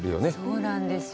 そうなんですよ。